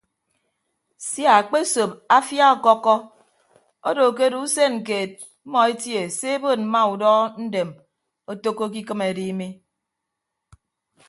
Sia akpesop afia ọkọkkọ odo ke odo usen keed mmọ etie se ebod mma udọ ndem otәkkoke ikịm edi mi.